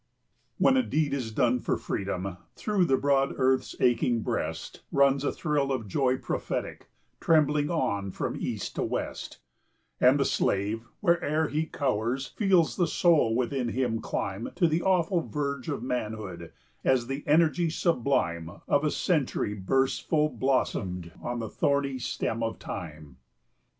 ] When a deed is done for Freedom, through the broad earth's aching breast Runs a thrill of joy prophetic, trembling on from east to west, And the slave, where'er he cowers, feels the soul within him climb To the awful verge of manhood, as the energy sublime Of a century bursts full blossomed on the thorny stem of Time.